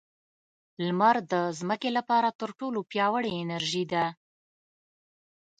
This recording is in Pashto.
• لمر د ځمکې لپاره تر ټولو پیاوړې انرژي ده.